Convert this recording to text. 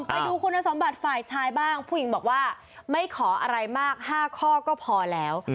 ไปดูคุณสมบัติฝ่ายชายบ้างผู้หญิงบอกว่าไม่ขออะไรมาก๕ข้อก็พอแล้ว